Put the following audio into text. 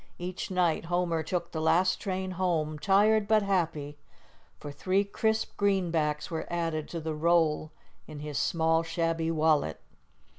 Each night Homer took the last train home, tired but happy, for three crisp greenbacks were added to the roll in his small, shabby wallet.